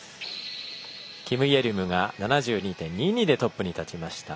キム・イェリムが７２．２２でトップに立ちました。